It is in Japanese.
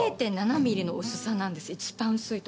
一番薄い所。